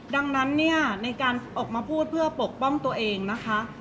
ดังนั้นเนี่ยในการออกมาพูดเพื่อปกป้องตัวเองนะคะ